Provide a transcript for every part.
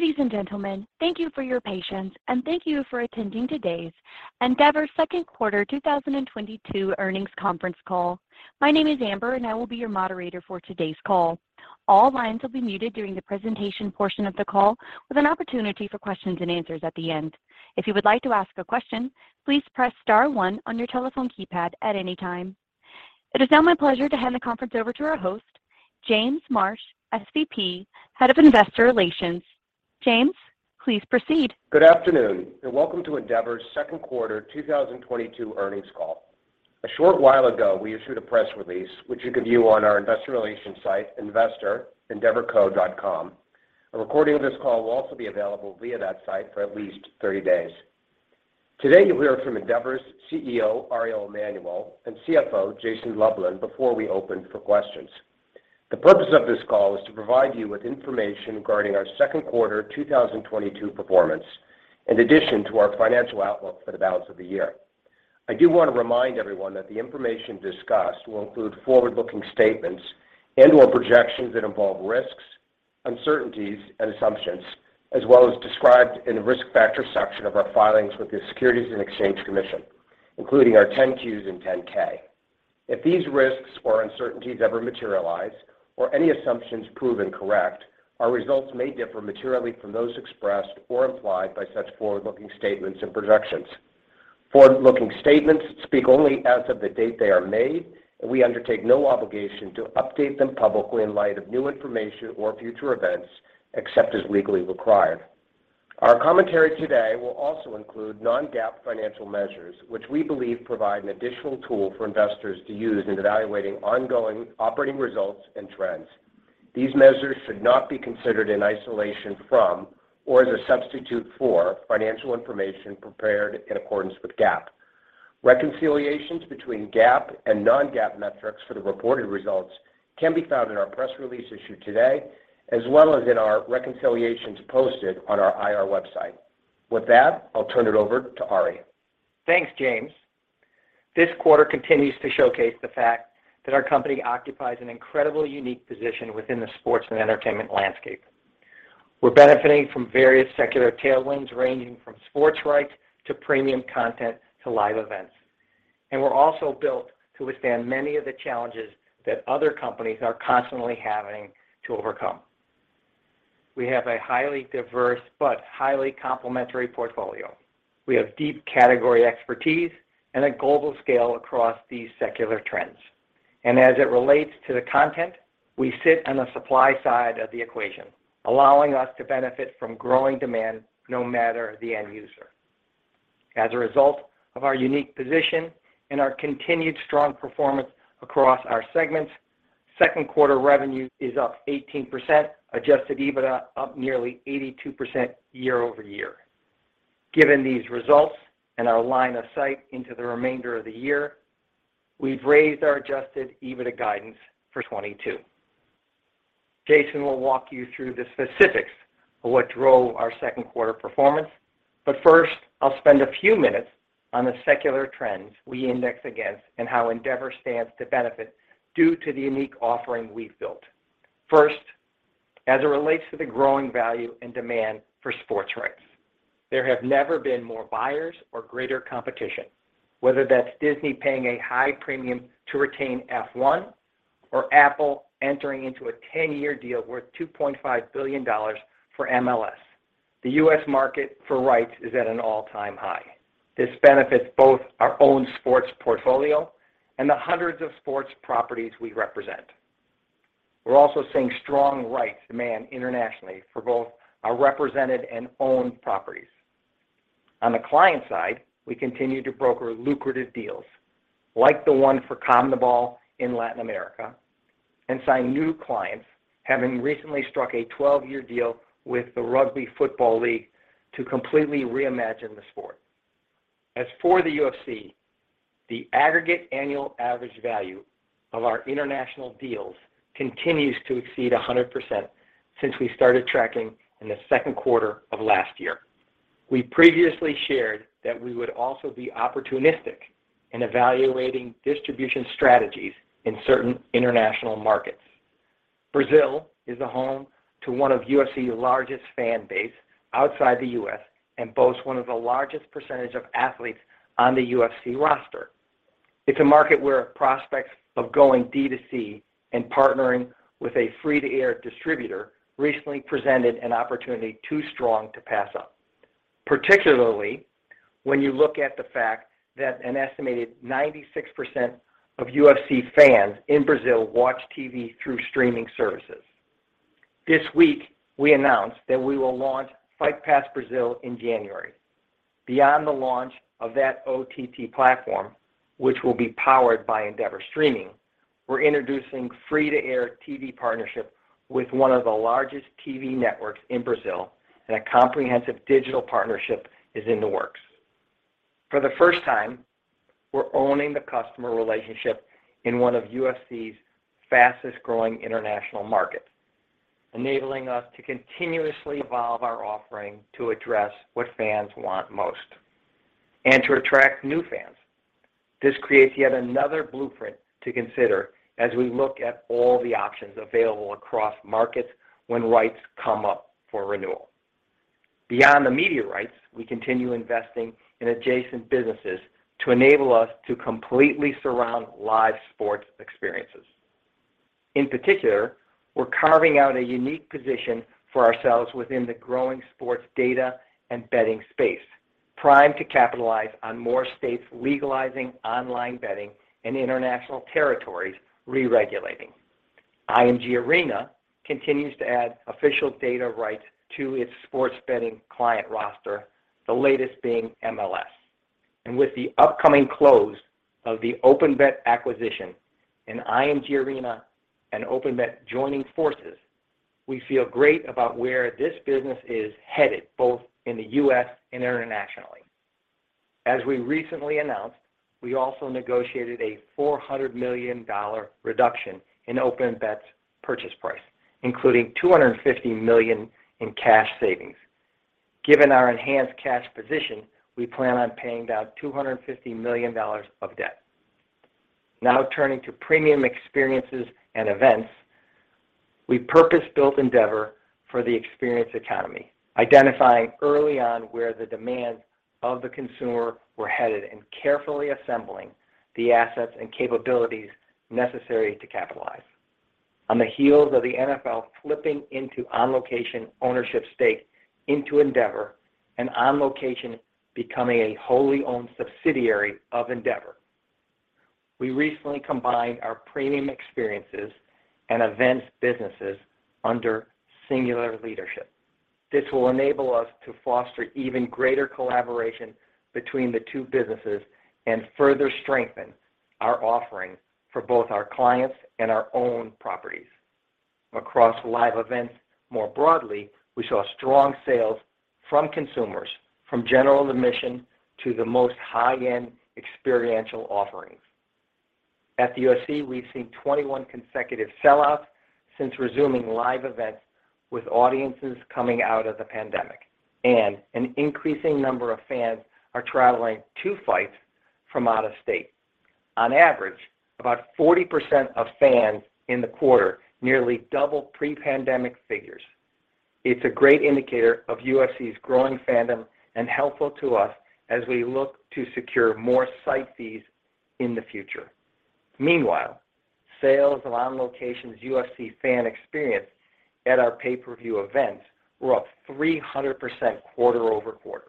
Ladies and gentlemen, thank you for your patience and thank you for attending today's Endeavor Q2 2022 earnings conference call. My name is Amber, and I will be your moderator for today's call. All lines will be muted during the presentation portion of the call with an opportunity for questions and answers at the end. If you would like to ask a question, please press star one on your telephone keypad at any time. It is now my pleasure to hand the conference over to our host, James Marsh, SVP, Head of Investor Relations. James, please proceed. Good afternoon and welcome to Endeavor's Q2 2022 earnings call. A short while ago, we issued a press release which you can view on our investor relations site, investorendeavorco.com. A recording of this call will also be available via that site for at least 30 days. Today you'll hear from Endeavor's CEO, Ari Emanuel, and CFO, Jason Lublin, before we open for questions. The purpose of this call is to provide you with information regarding our Q2 2022 performance in addition to our financial outlook for the balance of the year. I do want to remind everyone that the information discussed will include forward-looking statements and/or projections that involve risks, uncertainties and assumptions, as well as described in the Risk Factors section of our filings with the Securities and Exchange Commission, including our 10-Qs and 10-K. If these risks or uncertainties ever materialize or our assumptions prove incorrect, our results may differ materially from those expressed or implied by such forward-looking statements and projections. Forward-looking statements speak only as of the date they are made, and we undertake no obligation to update them publicly in light of new information or future events, except as legally required. Our commentary today will also include non-GAAP financial measures, which we believe provide an additional tool for investors to use in evaluating ongoing operating results and trends. These measures should not be considered in isolation from or as a substitute for financial information prepared in accordance with GAAP. Reconciliations between GAAP and non-GAAP metrics for the reported results can be found in our press release issued today, as well as in our reconciliations posted on our IR website. With that, I'll turn it over to Ari. Thanks, James. This quarter continues to showcase the fact that our company occupies an incredibly unique position within the sports and entertainment landscape. We're benefiting from various secular tailwinds ranging from sports rights to premium content to live events. We're also built to withstand many of the challenges that other companies are constantly having to overcome. We have a highly diverse but highly complementary portfolio. We have deep category expertise and a global scale across these secular trends. As it relates to the content, we sit on the supply side of the equation, allowing us to benefit from growing demand no matter the end user. As a result of our unique position and our continued strong performance across our segments, Q2 revenue is up 18%, adjusted EBITDA up nearly 82% year-over-year. Given these results and our line of sight into the remainder of the year, we've raised our adjusted EBITDA guidance for 2022. Jason will walk you through the specifics of what drove our Q2 performance. First, I'll spend a few minutes on the secular trends we index against and how Endeavor stands to benefit due to the unique offering we've built. First, as it relates to the growing value and demand for sports rights, there have never been more buyers or greater competition. Whether that's Disney paying a high premium to retain F1 or Apple entering into a 10-year deal worth $2.5 billion for MLS, the U.S. market for rights is at an all-time high. This benefits both our own sports portfolio and the hundreds of sports properties we represent. We're also seeing strong rights demand internationally for both our represented and owned properties. On the client side, we continue to broker lucrative deals like the one for CONMEBOL in Latin America and sign new clients, having recently struck a 12-year deal with the Rugby Football League to completely reimagine the sport. As for the UFC, the aggregate annual average value of our international deals continues to exceed 100% since we started tracking in the Q2 of last year. We previously shared that we would also be opportunistic in evaluating distribution strategies in certain international markets. Brazil is the home to one of UFC's largest fan base outside the U.S. and boasts one of the largest percentage of athletes on the UFC roster. It's a market where prospects of going DTC and partnering with a free-to-air distributor recently presented an opportunity too strong to pass up, particularly when you look at the fact that an estimated 96% of UFC fans in Brazil watch TV through streaming services. This week we announced that we will launch Fight Pass Brazil in January. Beyond the launch of that OTT platform, which will be powered by Endeavor Streaming, we're introducing free-to-air TV partnership with one of the largest TV networks in Brazil, and a comprehensive digital partnership is in the works. For the first time, we're owning the customer relationship in one of UFC's fastest-growing international markets, enabling us to continuously evolve our offering to address what fans want most and to attract new fans. This creates yet another blueprint to consider as we look at all the options available across markets when rights come up for renewal. Beyond the media rights, we continue investing in adjacent businesses to enable us to completely surround live sports experiences. In particular, we're carving out a unique position for ourselves within the growing sports data and betting space, primed to capitalize on more states legalizing online betting and international territories re-regulating. IMG Arena continues to add official data rights to its sports betting client roster, the latest being MLS. With the upcoming close of the OpenBet acquisition and IMG Arena and OpenBet joining forces, we feel great about where this business is headed, both in the U.S. and internationally. As we recently announced, we also negotiated a $400 million reduction in OpenBet's purchase price, including $250 million in cash savings. Given our enhanced cash position, we plan on paying down $250 million of debt. Now turning to premium experiences and events. We purpose-built Endeavor for the experience economy, identifying early on where the demands of the consumer were headed and carefully assembling the assets and capabilities necessary to capitalize. On the heels of the NFL flipping its On Location ownership stake into Endeavor and On Location becoming a wholly owned subsidiary of Endeavor, we recently combined our premium experiences and events businesses under singular leadership. This will enable us to foster even greater collaboration between the two businesses and further strengthen our offering for both our clients and our own properties. Across live events more broadly, we saw strong sales from consumers from general admission to the most high-end experiential offerings. At the UFC, we've seen 21 consecutive sellouts since resuming live events with audiences coming out of the pandemic, and an increasing number of fans are traveling to fights from out of state. On average, about 40% of fans in the quarter nearly double pre-pandemic figures. It's a great indicator of UFC's growing fandom and helpful to us as we look to secure more site fees in the future. Meanwhile, sales of On Location's UFC fan experience at our pay-per-view events were up 300% QoQ.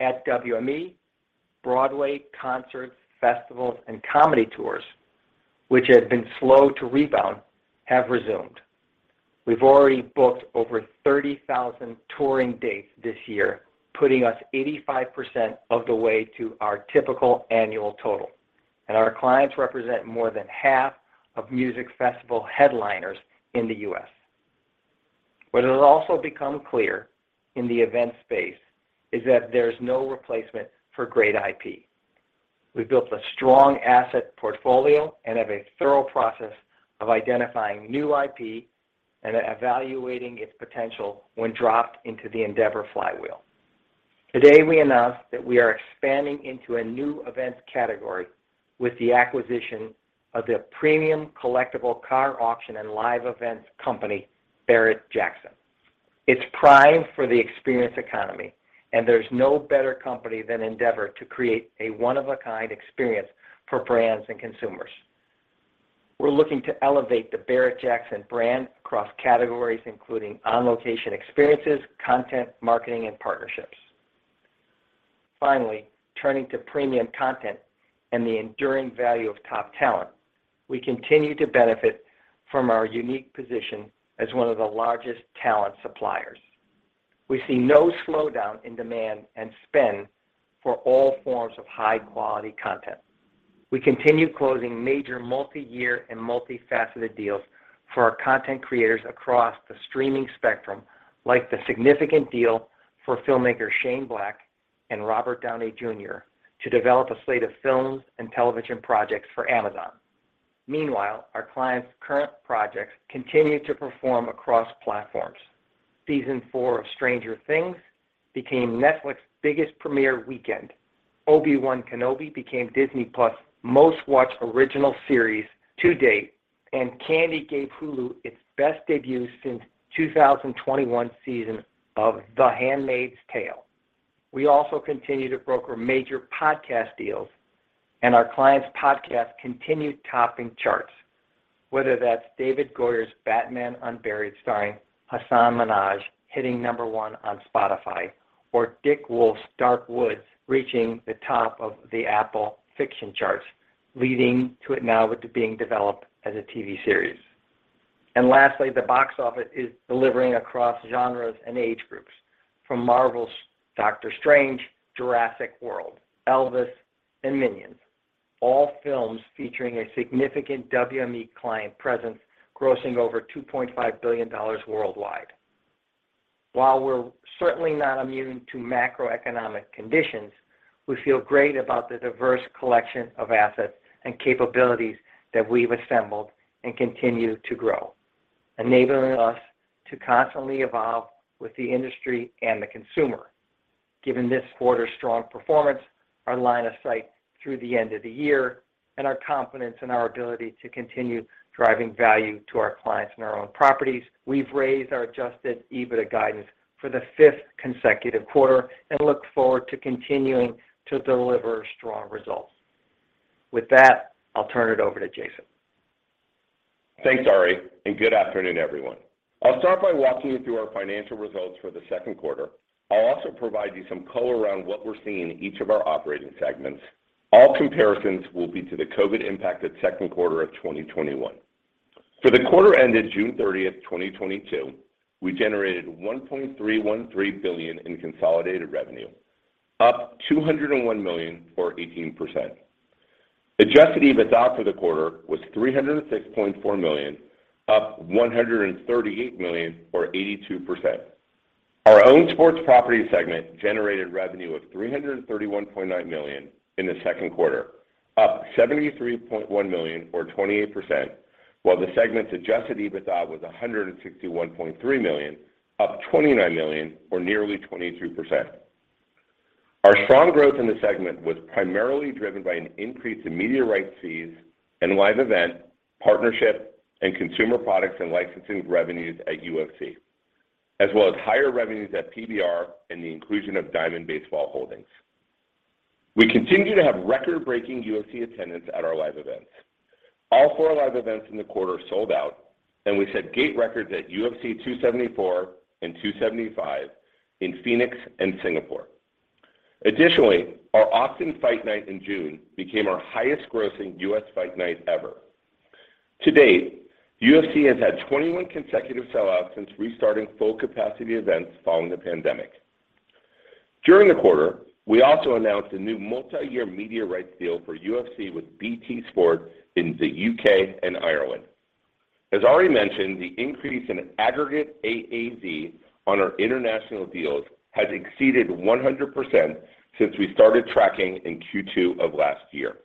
At WME, Broadway, concerts, festivals, and comedy tours, which had been slow to rebound, have resumed. We've already booked over 30,000 touring dates this year, putting us 85% of the way to our typical annual total. Our clients represent more than half of music festival headliners in the US. What has also become clear in the event space is that there's no replacement for great IP. We've built a strong asset portfolio and have a thorough process of identifying new IP and evaluating its potential when dropped into the Endeavor flywheel. Today, we announce that we are expanding into a new events category with the acquisition of the premium collectible car auction and live events company, Barrett-Jackson. It's primed for the experience economy, and there's no better company than Endeavor to create a one-of-a-kind experience for brands and consumers. We're looking to elevate the Barrett-Jackson brand across categories, including on-location experiences, content, marketing, and partnerships. Finally, turning to premium content and the enduring value of top talent, we continue to benefit from our unique position as one of the largest talent suppliers. We see no slowdown in demand and spend for all forms of high-quality content. We continue closing major multi-year and multifaceted deals for our content creators across the streaming spectrum, like the significant deal for filmmaker Shane Black and Robert Downey Jr. to develop a slate of films and television projects for Amazon. Meanwhile, our clients' current projects continue to perform across platforms. Season four of Stranger Things became Netflix's biggest premiere weekend. Obi-Wan Kenobi became Disney+'s most-watched original series to date, and Candy gave Hulu its best debut since 2021 season of The Handmaid's Tale. We also continue to broker major podcast deals, and our clients' podcasts continue topping charts, whether that's David S. Goyer's Batman Unburied starring Hasan Minhaj hitting number one on Spotify or Dick Wolf's Dark Woods reaching the top of the Apple fiction charts, leading to it now with it being developed as a TV series. Lastly, the box office is delivering across genres and age groups from Marvel's Doctor Strange, Jurassic World, Elvis, and Minions, all films featuring a significant WME client presence grossing over $2.5 billion worldwide. While we're certainly not immune to macroeconomic conditions, we feel great about the diverse collection of assets and capabilities that we've assembled and continue to grow. Enabling us to constantly evolve with the industry and the consumer. Given this quarter's strong performance, our line of sight through the end of the year and our confidence in our ability to continue driving value to our clients and our own properties, we've raised our adjusted EBITDA guidance for the fifth consecutive quarter and look forward to continuing to deliver strong results. With that, I'll turn it over to Jason. Thanks, Ari, and good afternoon, everyone. I'll start by walking you through our financial results for the Q2. I'll also provide you some color around what we're seeing in each of our operating segments. All comparisons will be to the COVID-impacted Q2 of 2021. For the quarter ended June 30, 2022, we generated $1.313 billion in consolidated revenue, up $201 million or 18%. Adjusted EBITDA for the quarter was $306.4 million, up $138 million or 82%. Our Owned Sports Properties segment generated revenue of $331.9 million in the Q2, up $73.1 million or 28%, while the segment's adjusted EBITDA was $161.3 million, up $29 million or nearly 22%. Our strong growth in the segment was primarily driven by an increase in media rights fees and live event, partnership, and consumer products and licensing revenues at UFC, as well as higher revenues at PBR and the inclusion of Diamond Baseball Holdings. We continue to have record-breaking UFC attendance at our live events. All four live events in the quarter sold out, and we set gate records at UFC 274 and 275 in Phoenix and Singapore. Additionally, our Austin fight night in June became our highest grossing U.S. fight night ever. To date, UFC has had 21 consecutive sellouts since restarting full capacity events following the pandemic. During the quarter, we also announced a new multi-year media rights deal for UFC with BT Sport in the U.K. and Ireland. As Ari mentioned, the increase in aggregate AAV on our international deals has exceeded 100% since we started tracking in Q2 of last year,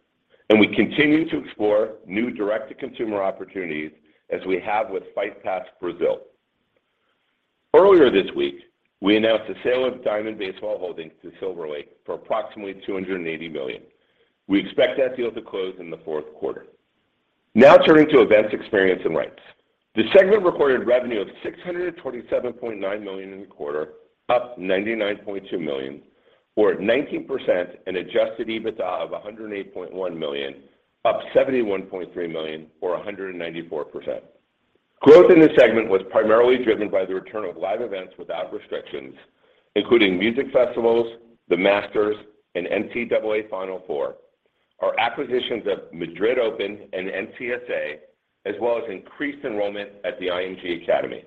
and we continue to explore new direct-to-consumer opportunities as we have with Fight Pass Brazil. Earlier this week, we announced the sale of Diamond Baseball Holdings to Silver Lake for approximately $280 million. We expect that deal to close in the Q4. Now turning to Events, Experiences & Rights. The segment recorded revenue of $627.9 million in the quarter, up $99.2 million or 19% and adjusted EBITDA of $108.1 million, up $71.3 million or 194%. Growth in this segment was primarily driven by the return of live events without restrictions, including music festivals, the Masters, and NCAA Final Four, our acquisitions of Madrid Open and NCSA, as well as increased enrollment at the IMG Academy.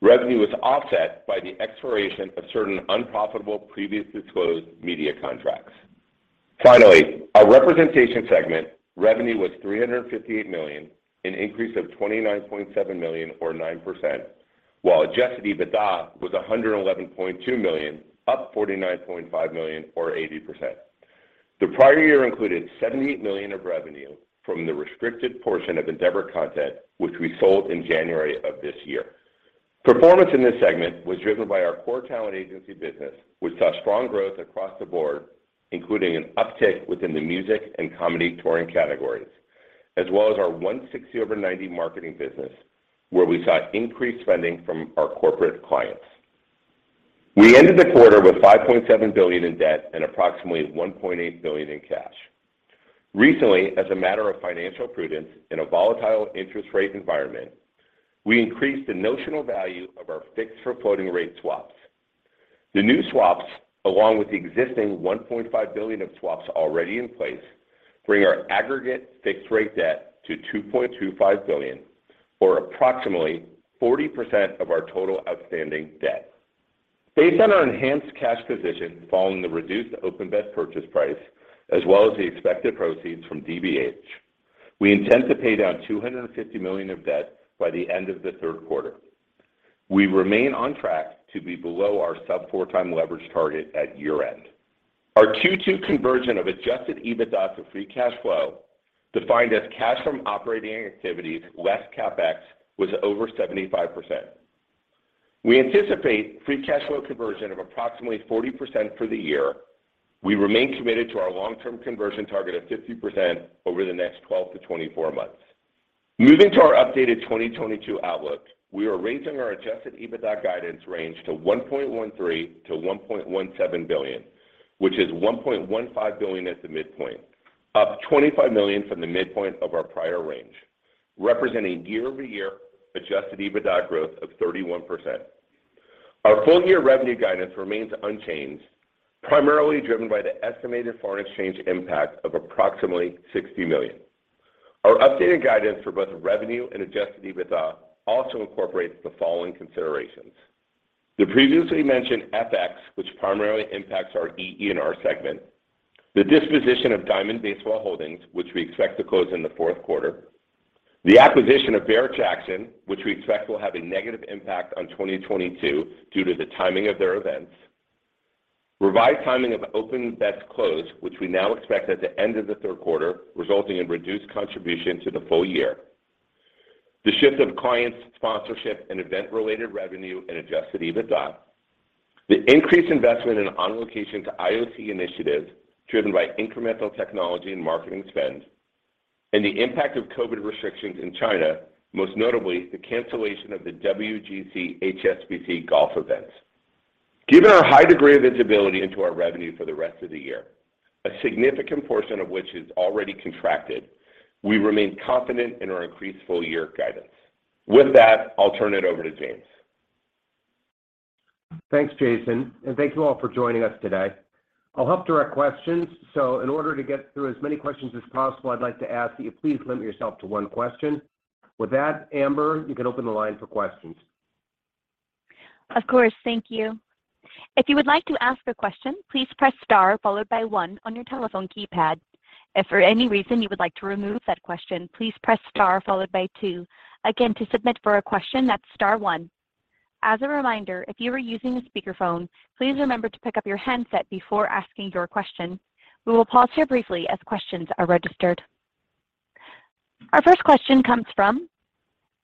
Revenue was offset by the expiration of certain unprofitable previously disclosed media contracts. Finally, our Representation segment revenue was $358 million, an increase of $29.7 million or 9%, while adjusted EBITDA was $111.2 million, up $49.5 million or 80%. The prior year included $70 million of revenue from the restricted portion of Endeavor Content, which we sold in January of this year. Performance in this segment was driven by our core talent agency business, which saw strong growth across the board, including an uptick within the music and comedy touring categories, as well as our 160over90 marketing business, where we saw increased spending from our corporate clients. We ended the quarter with $5.7 billion in debt and approximately $1.8 billion in cash. Recently, as a matter of financial prudence in a volatile interest rate environment, we increased the notional value of our fixed for floating rate swaps. The new swaps, along with the existing $1.5 billion of swaps already in place, bring our aggregate fixed rate debt to $2.25 billion, or approximately 40% of our total outstanding debt. Based on our enhanced cash position following the reduced OpenBet purchase price as well as the expected proceeds from DBH, we intend to pay down $250 million of debt by the end of the Q3. We remain on track to be below our sub-4x leverage target at year-end. Our Q2 conversion of adjusted EBITDA to free cash flow, defined as cash from operating activities, less CapEx, was over 75%. We anticipate free cash flow conversion of approximately 40% for the year. We remain committed to our long-term conversion target of 50% over the next 12-24 months. Moving to our updated 2022 outlook, we are raising our adjusted EBITDA guidance range to $1.13 billion-$1.17 billion, which is $1.15 billion at the midpoint, up $25 million from the midpoint of our prior range, representing year-over-year adjusted EBITDA growth of 31%. Our full year revenue guidance remains unchanged, primarily driven by the estimated foreign exchange impact of approximately $60 million. Our updated guidance for both revenue and adjusted EBITDA also incorporates the following considerations. The previously mentioned FX, which primarily impacts our EER segment, the disposition of Diamond Baseball Holdings, which we expect to close in the Q4, the acquisition of Barrett-Jackson, which we expect will have a negative impact on 2022 due to the timing of their events. Revised timing of OpenBet's close, which we now expect at the end of the third quarter, resulting in reduced contribution to the full year. The shift of clients, sponsorship, and event-related revenue and adjusted EBITDA. The increased investment in On Location's IoT initiatives driven by incremental technology and marketing spend, and the impact of COVID restrictions in China, most notably, the cancellation of the WGC-HSBC Champions. Given our high degree of visibility into our revenue for the rest of the year, a significant portion of which is already contracted, we remain confident in our increased full-year guidance. With that, I'll turn it over to James. Thanks, Jason, and thank you all for joining us today. I'll help direct questions. In order to get through as many questions as possible, I'd like to ask that you please limit yourself to one question. With that, Amber, you can open the line for questions. Of course. Thank you. If you would like to ask a question, please press star followed by one on your telephone keypad. If for any reason you would like to remove that question, please press star followed by two. Again, to submit for a question, that's star one. As a reminder, if you are using a speakerphone, please remember to pick up your handset before asking your question. We will pause here briefly as questions are registered. Our first question comes from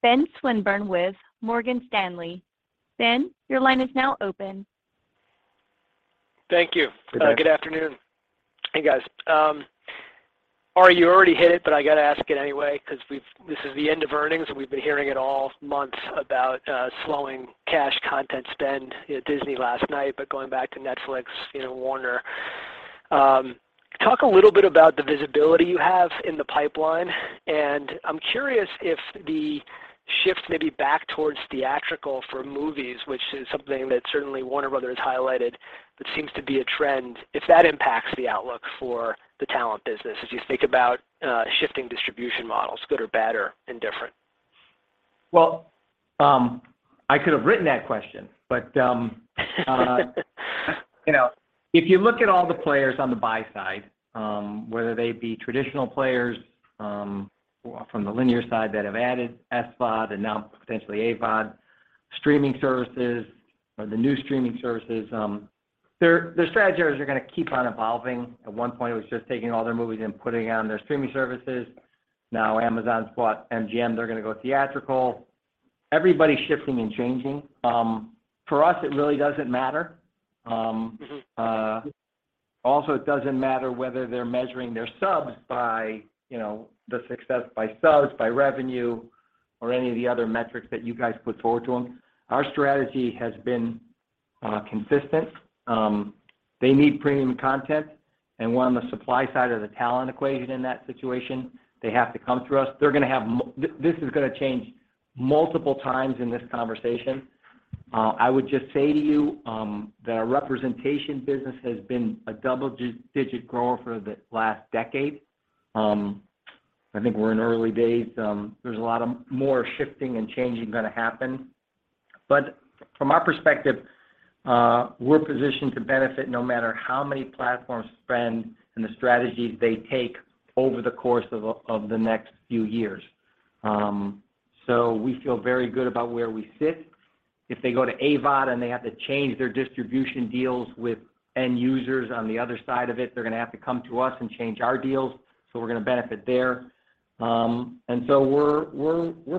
Ben Swinburne with Morgan Stanley. Ben, your line is now open. Thank you. Thanks. Good afternoon. Hey, guys. Ari, you already hit it, but I got to ask it anyway because this is the end of earnings. We've been hearing it all month about slowing cash content spend, you know, Disney last night, but going back to Netflix, you know, Warner. Talk a little bit about the visibility you have in the pipeline. I'm curious if the shift maybe back towards theatrical for movies, which is something that certainly Warner Bros. has highlighted, that seems to be a trend, if that impacts the outlook for the talent business as you think about shifting distribution models, good or bad or indifferent. Well, I could have written that question. You know, if you look at all the players on the buy side, whether they be traditional players from the linear side that have added SVOD and now potentially AVOD, streaming services or the new streaming services, their strategies are gonna keep on evolving. At one point, it was just taking all their movies and putting it on their streaming services. Now, Amazon's bought Metro-Goldwyn-Mayer, they're gonna go theatrical. Everybody's shifting and changing. For us, it really doesn't matter. Mm-hmm Also, it doesn't matter whether they're measuring their subs by, you know, the success by subs, by revenue, or any of the other metrics that you guys put forward to them. Our strategy has been consistent. They need premium content, and we're on the supply side of the talent equation in that situation. They have to come through us. They're gonna have this is gonna change multiple times in this conversation. I would just say to you, the representation business has been a double-digit grower for the last decade. I think we're in early days. There's a lot of more shifting and changing gonna happen. From our perspective, we're positioned to benefit no matter how many platforms spend and the strategies they take over the course of the next few years. We feel very good about where we sit. If they go to AVOD and they have to change their distribution deals with end users on the other side of it, they're gonna have to come to us and change our deals, so we're gonna benefit there. We're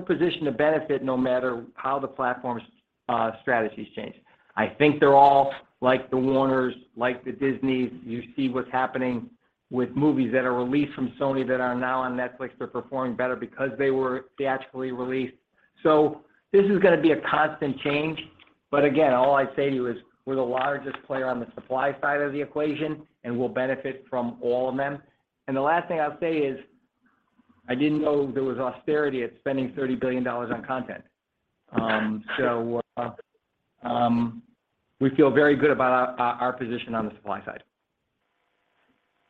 positioned to benefit no matter how the platform's strategies change. I think they're all like the Warners, like the Disneys. You see what's happening with movies that are released from Sony that are now on Netflix. They're performing better because they were theatrically released. This is gonna be a constant change. Again, all I'd say to you is we're the largest player on the supply side of the equation, and we'll benefit from all of them. The last thing I'll say is, I didn't know there was austerity at spending $30 billion on content. We feel very good about our position on the supply side.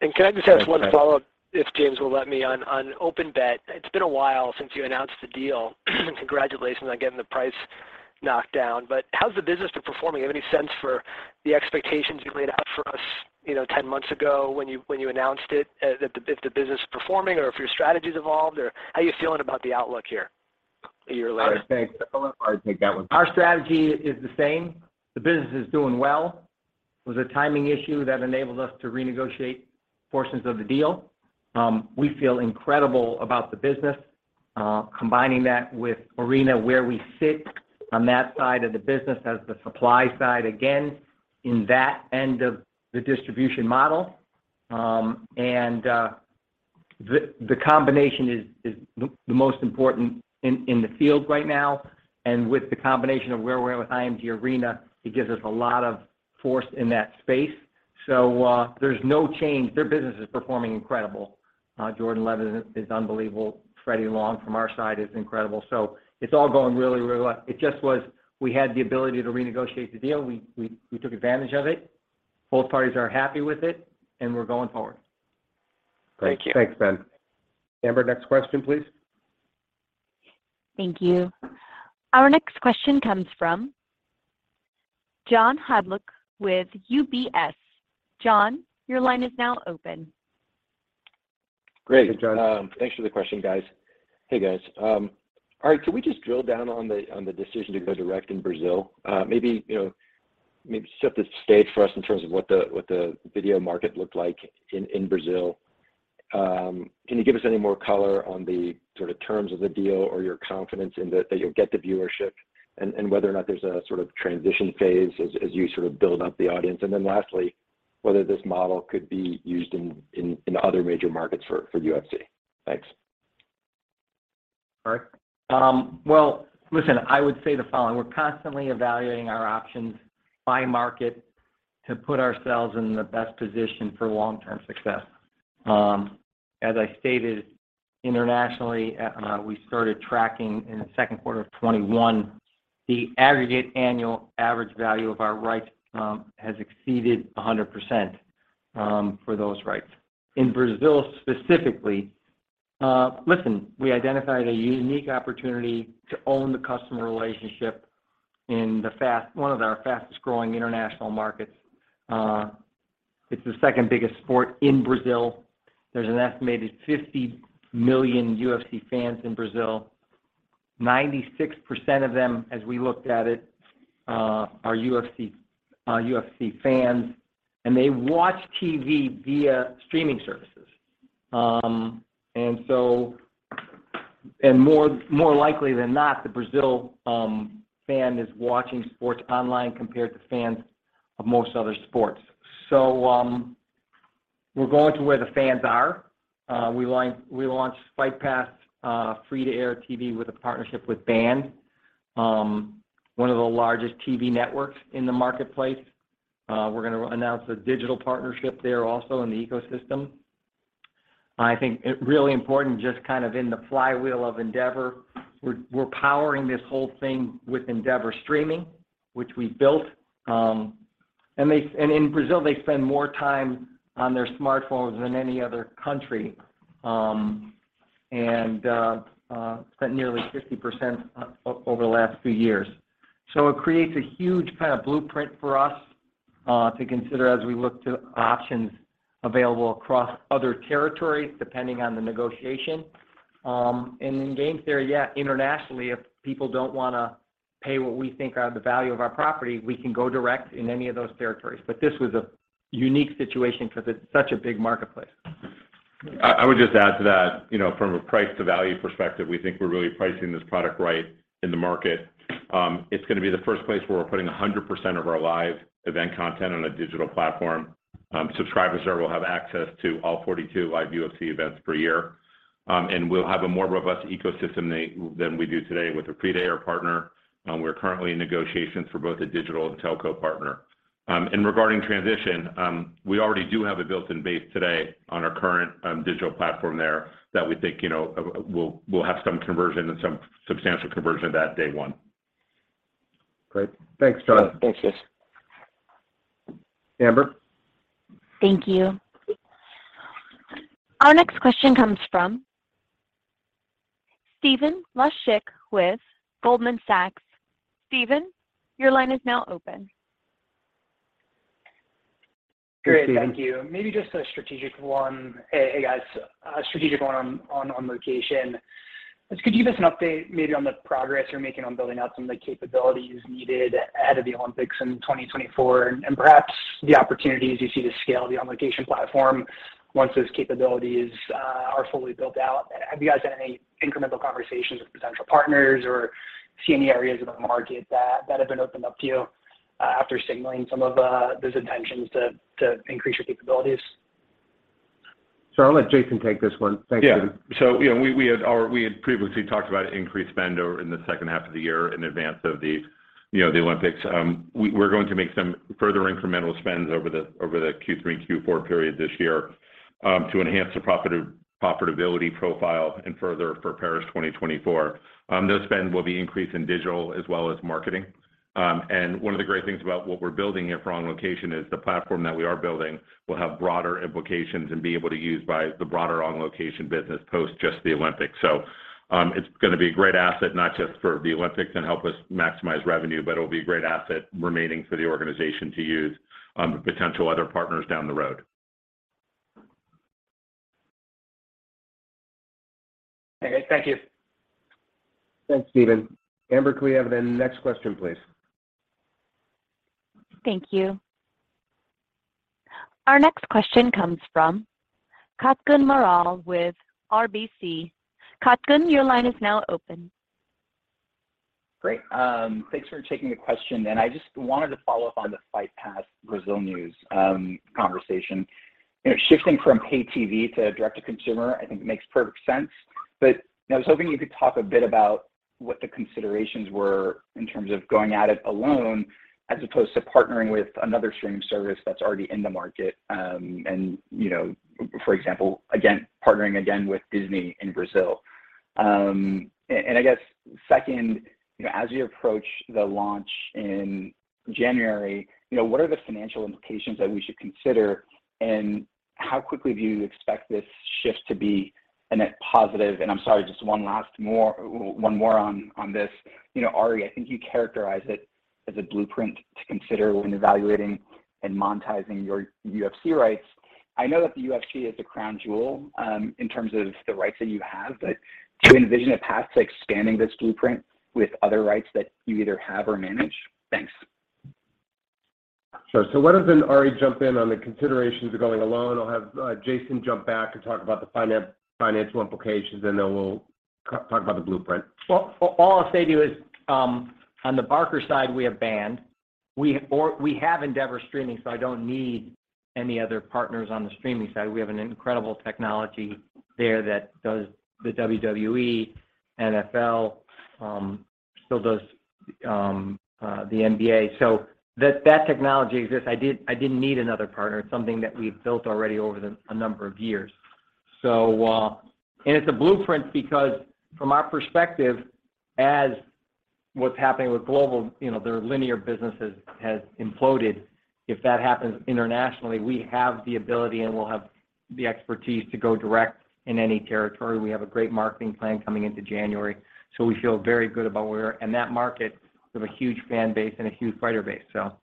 Can I just ask one follow-up? Thanks, Ben. If James will let me on OpenBet? It's been a while since you announced the deal. Congratulations on getting the price knocked down. How's the business been performing? You have any sense for the expectations you laid out for us, you know, 10 months ago when you announced it, if the business is performing or if your strategy's evolved, or how are you feeling about the outlook here a year later? Ari, thanks. I'll let Ari take that one. Our strategy is the same. The business is doing well. It was a timing issue that enabled us to renegotiate portions of the deal. We feel incredible about the business, combining that with Arena, where we sit on that side of the business as the supply side, again, in that end of the distribution model. The combination is the most important in the field right now. With the combination of where we are with IMG Arena, it gives us a lot of force in that space. There's no change. Their business is performing incredible. Jordan Levin is unbelievable. Freddie Long from our side is incredible. It's all going really, really well. It just was. We had the ability to renegotiate the deal. We took advantage of it. Both parties are happy with it, and we're going forward. Thank you. Thanks, Ben. Amber, next question, please. Thank you. Our next question comes from John Hodulik with UBS. John, your line is now open. Great. Hey, John. Thanks for the question, guys. All right, can we just drill down on the decision to go direct in Brazil? Maybe, you know, maybe set the stage for us in terms of what the video market looked like in Brazil. Can you give us any more color on the sort of terms of the deal or your confidence in that you'll get the viewership and whether or not there's a sort of transition phase as you sort of build up the audience? Lastly, whether this model could be used in other major markets for UFC. Thanks. All right. Well, listen, I would say the following: We're constantly evaluating our options by market to put ourselves in the best position for long-term success. As I stated internationally, we started tracking in the Q2 of 2021, the aggregate annual average value of our rights has exceeded 100%, for those rights. In Brazil specifically, listen, we identified a unique opportunity to own the customer relationship in one of our fastest growing international markets. It's the second biggest sport in Brazil. There's an estimated 50 million UFC fans in Brazil. 96% of them as we looked at it are UFC fans, and they watch TV via streaming services. More likely than not, the Brazilian fan is watching sports online compared to fans of most other sports. We're going to where the fans are. We launched Fight Pass free to air TV with a partnership with Band, one of the largest TV networks in the marketplace. We're gonna announce a digital partnership there also in the ecosystem. I think it really important, just kind of in the flywheel of Endeavor, we're powering this whole thing with Endeavor Streaming, which we built. In Brazil, they spend more time on their smartphones than any other country, and spent nearly 50% over the last few years. It creates a huge kind of blueprint for us to consider as we look to options available across other territories, depending on the negotiation. In game theory, internationally, if people don't wanna pay what we think are the value of our property, we can go direct in any of those territories. This was a unique situation because it's such a big marketplace. I would just add to that, you know, from a price to value perspective, we think we're really pricing this product right in the market. It's gonna be the first place where we're putting 100% of our live event content on a digital platform. Subscribers there will have access to all 42 live UFC events per year. We'll have a more robust ecosystem than we do today with our free tier or partner. We're currently in negotiations for both a digital and telco partner. Regarding transition, we already do have a built-in base today on our current digital platform there that we think, you know, we'll have some conversion and some substantial conversion of that day one. Great. Thanks, John. Thanks, guys. Amber? Thank you. Our next question comes from Stephen Laszczyk with Goldman Sachs. Steven, your line is now open. Hey, Stephen. Great. Thank you. Maybe just a strategic one. Hey, guys, a strategic one on On Location. Could you give us an update maybe on the progress you're making on building out some of the capabilities needed ahead of the Olympics in 2024, and perhaps the opportunities you see to scale the On Location platform once those capabilities are fully built out? Have you guys had any incremental conversations with potential partners or see any areas of the market that have been opened up to you after signaling some of those intentions to increase your capabilities? I'll let Jason take this one. Thanks, Stephen. Yeah. You know, we had previously talked about increased spend in the second half of the year in advance of the Olympics. You know, the Olympics. We're going to make some further incremental spends over the Q3, Q4 period this year to enhance the profitability profile and further for Paris 2024. Those spends will be increased in digital as well as marketing. One of the great things about what we're building here for On Location is the platform that we are building will have broader implications and be able to be used by the broader On Location business post just the Olympics. It's gonna be a great asset, not just for the Olympics and help us maximize revenue, but it'll be a great asset remaining for the organization to use on potential other partners down the road. Okay. Thank you. Thanks, Stephen. Amber, can we have the next question, please? Thank you. Our next question comes from Kutgun Maral with RBC. Kutgun, your line is now open. Great. Thanks for taking the question. I just wanted to follow up on the UFC Fight Pass Brazil news, conversation. You know, shifting from pay TV to direct to consumer, I think makes perfect sense. I was hoping you could talk a bit about what the considerations were in terms of going at it alone, as opposed to partnering with another streaming service that's already in the market. For example, partnering with Disney in Brazil. I guess second, as you approach the launch in January, what are the financial implications that we should consider, and how quickly do you expect this shift to be net positive. I'm sorry, just one more on this. You know, Ari, I think you characterize it as a blueprint to consider when evaluating and monetizing your UFC rights. I know that the UFC is the crown jewel in terms of the rights that you have. Do you envision a path to expanding this blueprint with other rights that you either have or manage? Thanks. Sure. Why don't then Ari jump in on the considerations of going alone? I'll have Jason jump back to talk about the financial implications, and then we'll talk about the blueprint. Well, all I'll say to you is, on the broadcast side, we have Band. We have Endeavor Streaming, so I don't need any other partners on the streaming side. We have an incredible technology there that does the WWE, NFL, still does the NBA. That technology exists. I didn't need another partner. It's something that we've built already over a number of years. It's a blueprint because from our perspective, as what's happening with global, you know, their linear business has imploded. If that happens internationally, we have the ability and we'll have the expertise to go direct in any territory. We have a great marketing plan coming into January, so we feel very good about where we are. That market, we have a huge fan base and a huge fighter base, so.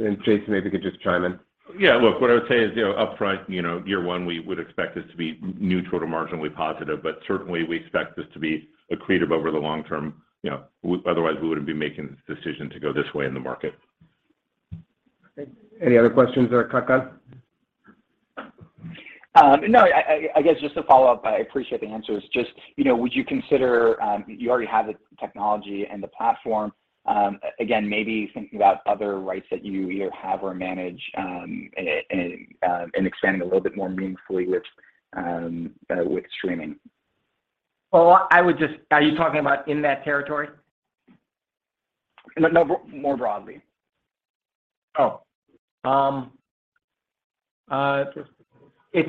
Jason, maybe you could just chime in. Yeah. Look, what I would say is, you know, upfront, you know, year one, we would expect this to be neutral to marginally positive, but certainly we expect this to be accretive over the long term, you know. Otherwise, we wouldn't be making this decision to go this way in the market. Okay. Any other questions for Kutgun? No, I guess just to follow up, I appreciate the answers. Just, you know, would you consider, you already have the technology and the platform, again, maybe thinking about other rights that you either have or manage, and expanding a little bit more meaningfully with streaming? Well, are you talking about in that territory? No, more broadly. It's a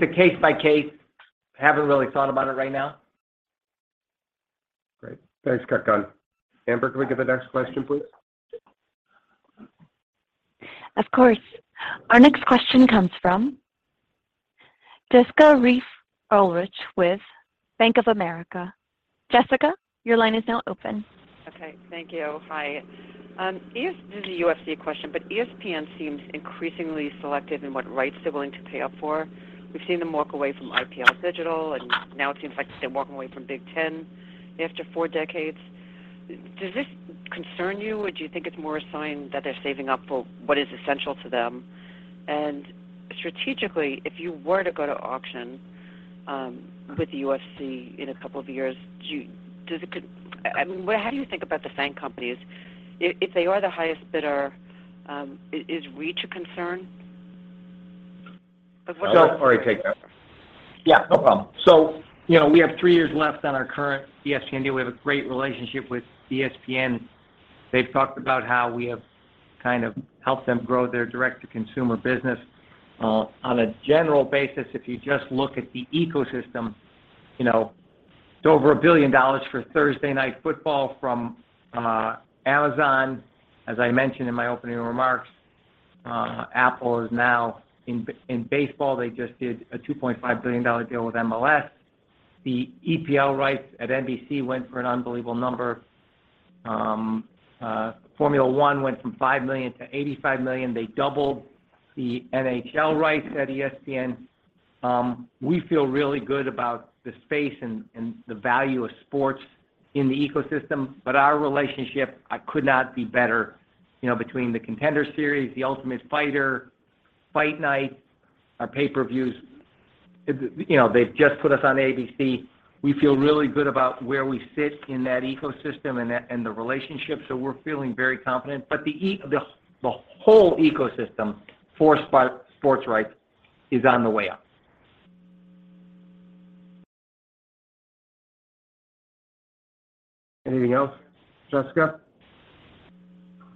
case by case. Haven't really thought about it right now. Great. Thanks, Kutgun. Amber, can we get the next question, please? Of course. Our next question comes from Jessica Reif Ehrlich with Bank of America. Jessica, your line is now open. Okay. Thank you. Hi. This is a UFC question, but ESPN seems increasingly selective in what rights they're willing to pay up for. We've seen them walk away from IPL Digital, and now it seems like they're walking away from Big Ten after four decades. Does this concern you, or do you think it's more a sign that they're saving up for what is essential to them? Strategically, if you were to go to auction with the UFC in a couple of years, I mean, how do you think about the fan companies? If they are the highest bidder, is reach a concern? So- I'll let Ari take that. Yeah, no problem. You know, we have three years left on our current ESPN deal. We have a great relationship with ESPN. They've talked about how we have kind of helped them grow their direct-to-consumer business. On a general basis, if you just look at the ecosystem, you know, it's over $1 billion for Thursday Night Football from Amazon. As I mentioned in my opening remarks, Apple is now in baseball. They just did a $2.5 billion deal with MLS. The EPL rights at NBC went for an unbelievable number. Formula One went from $5 million-$85 million. They doubled the NHL rights at ESPN. We feel really good about the space and the value of sports in the ecosystem, but our relationship could not be better, you know, between The Contender Series, The Ultimate Fighter, Fight Night, our pay-per-views. You know, they've just put us on ABC. We feel really good about where we sit in that ecosystem and the relationship, so we're feeling very confident. The whole ecosystem for sports rights is on the way up. Anything else, Jessica?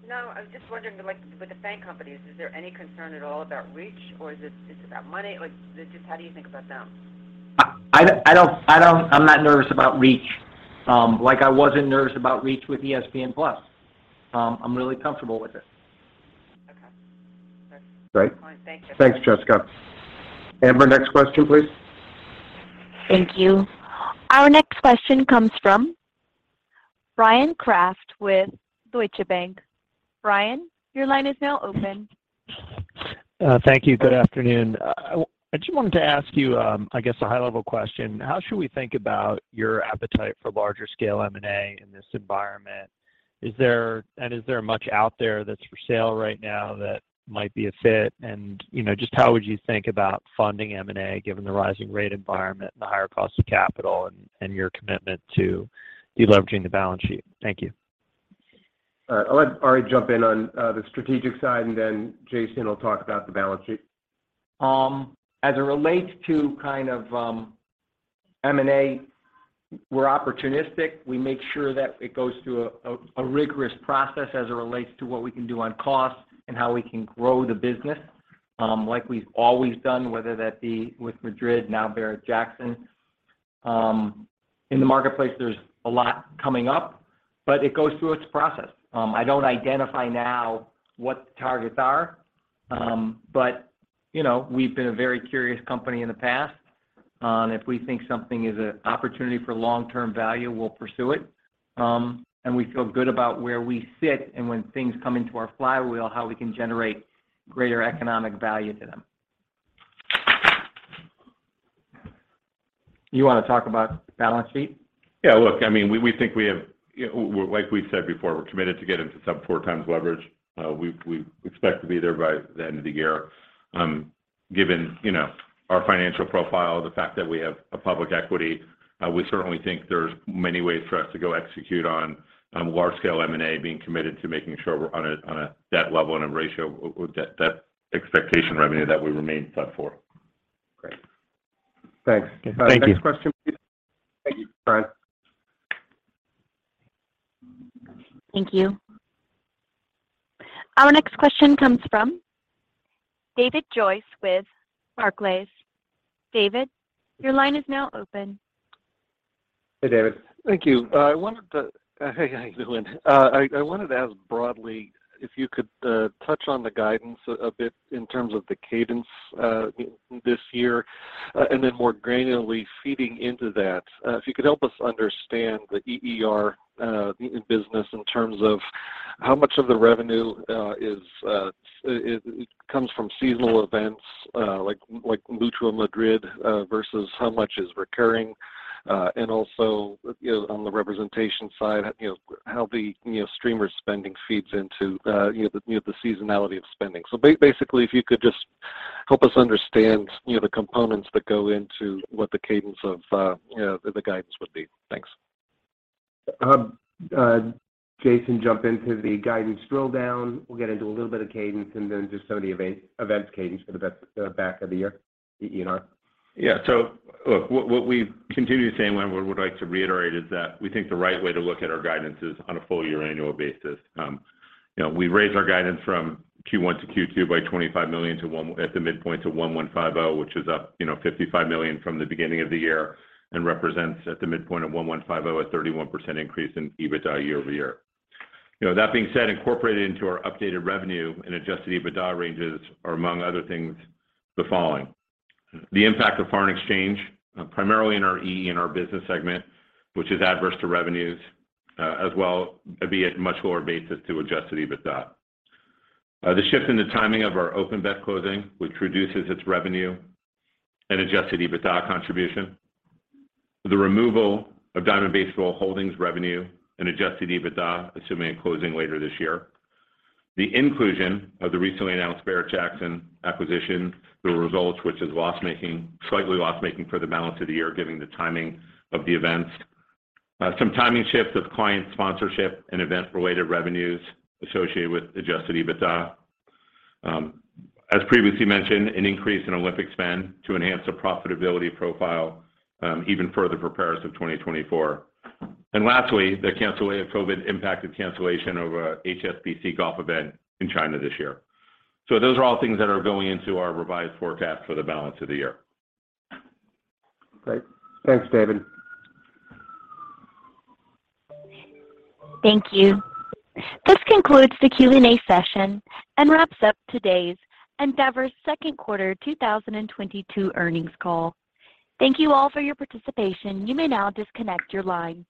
No, I was just wondering, like with the fan companies, is there any concern at all about reach or is it just about money? Like, just how do you think about them? I'm not nervous about reach, like I wasn't nervous about reach with ESPN+. I'm really comfortable with it. Okay. Great. Thank you. Thanks, Jessica. Amber, next question, please. Thank you. Our next question comes from Bryan Kraft with Deutsche Bank. Brian, your line is now open. Thank you. Good afternoon. I just wanted to ask you, I guess a high-level question. How should we think about your appetite for larger scale M&A in this environment? Is there much out there that's for sale right now that might be a fit? You know, just how would you think about funding M&A given the rising rate environment and the higher cost of capital and your commitment to deleveraging the balance sheet? Thank you. All right. I'll let Ari jump in on the strategic side, and then Jason will talk about the balance sheet. As it relates to kind of, M&A, we're opportunistic. We make sure that it goes through a rigorous process as it relates to what we can do on cost and how we can grow the business, like we've always done, whether that be with Madrid, now Barrett-Jackson. In the marketplace, there's a lot coming up. It goes through its process. I don't identify now what the targets are. You know, we've been a very curious company in the past, and if we think something is a opportunity for long-term value, we'll pursue it. We feel good about where we sit, and when things come into our flywheel, how we can generate greater economic value to them. You wanna talk about balance sheet? Yeah. Look, I mean, we think we have like we said before, we're committed to getting to sub-4x leverage. We expect to be there by the end of the year. Given you know, our financial profile, the fact that we have a public equity, we certainly think there's many ways for us to go execute on large scale M&A, being committed to making sure we're on a debt level and a ratio with that expectation revenue that we remain sub-4x. Great. Thanks. Thank you. Next question please. Thank you. Bye. Thank you. Our next question comes from David Joyce with Barclays. David, your line is now open. Hey, David. Thank you. Hey, Lublin. I wanted to ask broadly if you could touch on the guidance a bit in terms of the cadence this year, and then more granularly feeding into that, if you could help us understand the EER business in terms of how much of the revenue comes from seasonal events, like Mutua Madrid, versus how much is recurring. Also, you know, on the representation side, you know, how the streamer spending feeds into the seasonality of spending. Basically, if you could just help us understand the components that go into what the cadence of the guidance would be. Thanks. Jason, jump into the guidance drill down. We'll get into a little bit of cadence and then just some of the event's cadence for the back of the year, EER. Yeah. Look, what we continue saying, David, what I would like to reiterate is that we think the right way to look at our guidance is on a full year annual basis. You know, we raised our guidance from Q1 to Q2 by $25 million at the midpoint to 1,150, which is up, you know, $55 million from the beginning of the year and represents at the midpoint of 1,150 a 31% increase in EBITDA year-over-year. You know, that being said, incorporated into our updated revenue and adjusted EBITDA ranges are, among other things, the following. The impact of foreign exchange, primarily in our EER business segment, which is adverse to revenues, as well as a much lower basis to adjusted EBITDA. The shift in the timing of our OpenBet closing, which reduces its revenue and adjusted EBITDA contribution. The removal of Diamond Baseball Holdings revenue and adjusted EBITDA, assuming a closing later this year. The inclusion of the recently announced Barrett-Jackson acquisition through results, which is slightly loss-making for the balance of the year, given the timing of the events. Some timing shifts of client sponsorship and event-related revenues associated with adjusted EBITDA. As previously mentioned, an increase in Olympic spend to enhance the profitability profile, even further for Paris 2024. Lastly, the COVID-impacted cancellation of a HSBC golf event in China this year. Those are all things that are going into our revised forecast for the balance of the year. Great. Thanks, David. Thank you. This concludes the Q&A session and wraps up today's Endeavor's Q2 2022 earnings call. Thank you all for your participation. You may now disconnect your line.